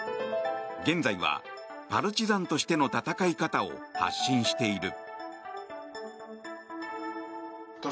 現在はパルチザンとしての戦い方を発信している。